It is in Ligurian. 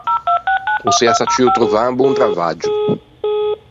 O s’ea sacciuo trovâ un bon travaggio.